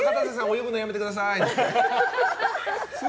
泳ぐのやめてください！って。